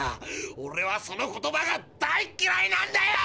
オレはその言葉が大きらいなんだよ！